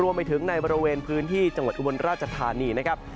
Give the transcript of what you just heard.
รวมไปถึงในบริเวณพื้นที่จังหวัดอุบลราชธานีนะครับ